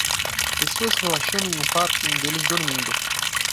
Pessoas relaxando em um parque um deles dormindo